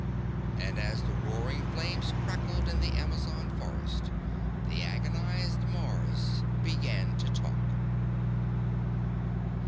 And as the roaring flames crackled in the Amazon forest, the agonized Mars began to talk.